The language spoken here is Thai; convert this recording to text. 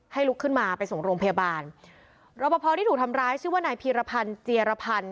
ลุกขึ้นมาไปส่งโรงพยาบาลรอปภที่ถูกทำร้ายชื่อว่านายพีรพันธ์เจียรพันธ์